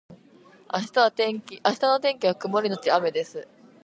明日の天気は曇りのち雨です